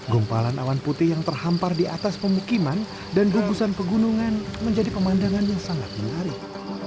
gumpalan awan putih yang terhampar di atas pemukiman dan gugusan pegunungan menjadi pemandangan yang sangat menarik